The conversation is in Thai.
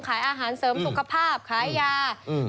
ขายอาหารเสริมสุขภาพขายยาอืม